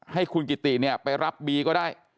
ให้คุณกิติเนี่ยไปรับบีก็ได้